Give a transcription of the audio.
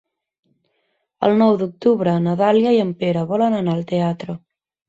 El nou d'octubre na Dàlia i en Pere volen anar al teatre.